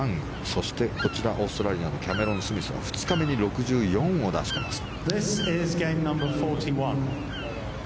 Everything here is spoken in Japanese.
そして、こちらオーストラリアのキャメロン・スミスが２日目に６４を出しています。